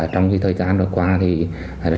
trong thời gian vừa qua